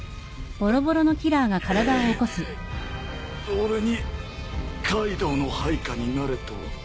俺にカイドウの配下になれと？